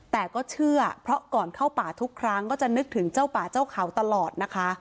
แต่ก็เชื่อเพราะก่อนเข้าป่าทุกครั้งก็จะนึกถึงเจ้าป่าเจ้าเขาตลอดนะคะ